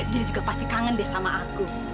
dia juga pasti kangen deh sama aku